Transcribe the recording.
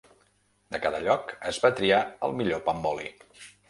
De cada lloc es va triar el millor pa amb oli.